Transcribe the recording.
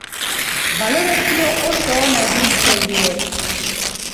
Balorazio oso ona egin dute hirurek.